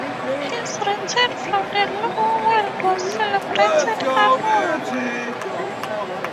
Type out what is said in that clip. His return from the lower world was celebrated annually.